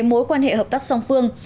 mối quan hệ hợp tác song phương